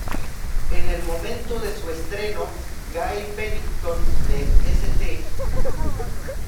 En el momento de su estreno, Gail Pennington de "St.